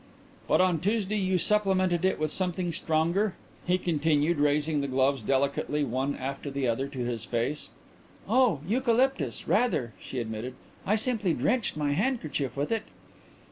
"But on Tuesday you supplemented it with something stronger," he continued, raising the gloves delicately one after the other to his face. "Oh, eucalyptus; rather," she admitted. "I simply drenched my handkerchief with it."